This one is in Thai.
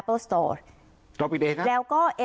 คุณประสิทธิ์ทราบรึเปล่าคะว่า